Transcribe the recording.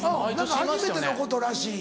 初めてのことらしい。